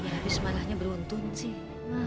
ya habis marahnya beruntun sih